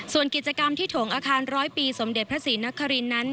ส่วนกิจกรรมที่โถงอาคารร้อยปีสมเด็จพระศรีนครินนั้น